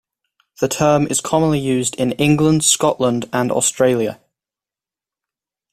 The term is commonly used in England, Scotland and Australia.